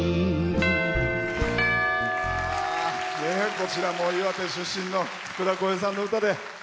こちらも岩手出身の福田こうへいさんの歌で。